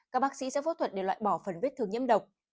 các bác sĩ sẽ phốt thuận để loại bỏ phần vết thương nhiễm độc